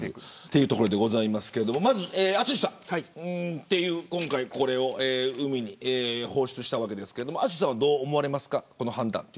淳さん、今回これを海に放出したわけですが淳さんは、どう思われますか。